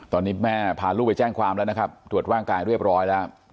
ตอนนี้แม่พาลูกไปแจ้งความแล้วนะครับตรวจร่างกายเรียบร้อยแล้ว